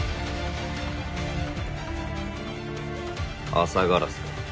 朝烏か。